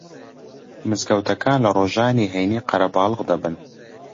مزگەوتەکان لە ڕۆژانی هەینی قەرەباڵغ دەبن